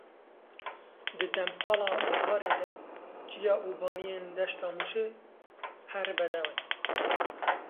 Di demsala biharê de çiya û baniyên deşta Mûşê her bedew in.